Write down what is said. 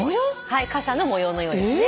傘の模様のようですね。